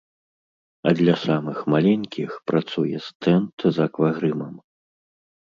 А для самых маленькіх працуе стэнд з аквагрымам.